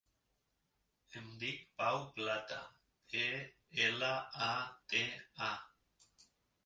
Em dic Pau Plata: pe, ela, a, te, a.